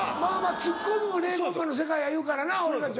ツッコミも０コンマの世界やいうからな俺たち。